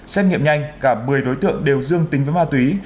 xét nghiệm nhanh cả một mươi đối tượng đều dương tính với ma túy